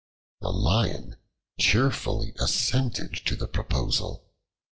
The Lion cheerfully assented to the proposal.